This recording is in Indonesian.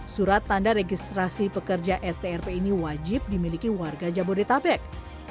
surat tanda registrasi pekerja strp ini wajib dimiliki warga jabodetabek